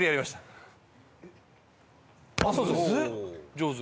上手！